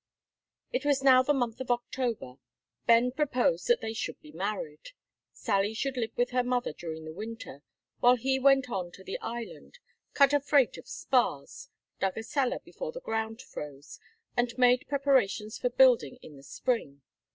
It was now the month of October. Ben proposed that they should be married; Sally should live with her mother during the winter, while he went on to the island, cut a freight of spars, dug a cellar before the ground froze, and made preparations for building in the spring.